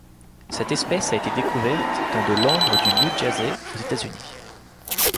Cette espèce a été découverte dans de l'ambre du New Jersey aux États-Unis.